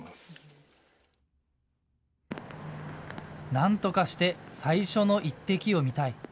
なんとかして最初の１滴を見たい。